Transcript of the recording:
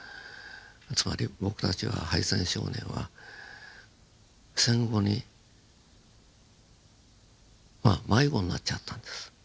つまり僕たちは敗戦少年は戦後にまあ迷子になっちゃったんです。